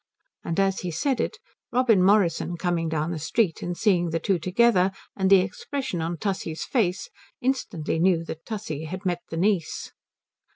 And as he said it Robin Morrison coming down the street and seeing the two together and the expression on Tussie's face instantly knew that Tussie had met the niece.